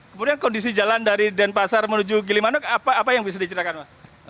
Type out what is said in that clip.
kemudian kondisi jalan dari denpasar menuju gilimanuk apa yang bisa diceritakan mas